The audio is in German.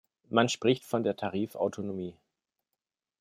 Man spricht von der Tarifautonomie.